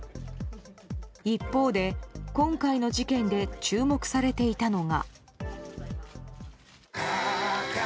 一方で、今回の事件で注目されていたのが。